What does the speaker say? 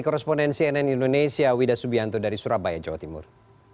korresponden cnn indonesia widah subianto dari surabaya jawa timur